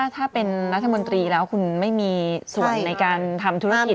ถ้าเป็นรัฐมนตรีแล้วคุณไม่มีส่วนในการทำธุรกิจ